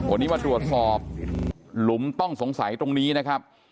วันนี้มาตรวจสอบหลุมต้องสงสัยตรงนี้นะครับ